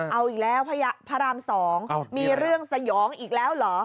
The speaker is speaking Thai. เอาอีกแล้วพระราม๒มีเรื่องสยองอีกแล้วเหรอ